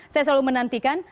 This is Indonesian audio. saya selalu menantikan